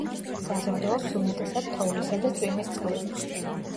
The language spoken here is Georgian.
საზრდოობს უმეტესად თოვლისა და წვიმის წყლით.